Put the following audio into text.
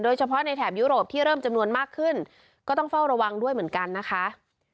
เฉพาะในแถบยุโรปที่เริ่มจำนวนมากขึ้นก็ต้องเฝ้าระวังด้วยเหมือนกันนะคะ